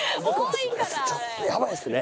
ちょっとやばいですね。